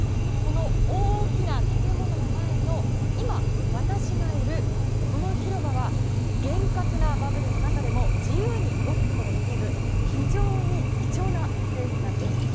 この大きな建物の前の今、私がいるこの広場は厳格なバブルの中でも自由に動くことができる非常に貴重なスペースなんです。